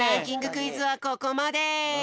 クイズはここまで！